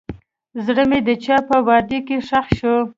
زړه مې د چا په وعدو کې ښخ شو.